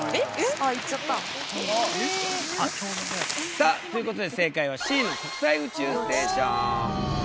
さあということで正解はＣの国際宇宙ステーション。